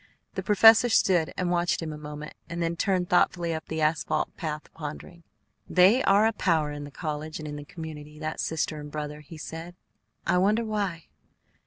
The professor stood and watched him a moment, and then turned thoughtfully up the asphalt path, pondering. "They are a power in the college and in the community, that sister and brother," he said. "I wonder why."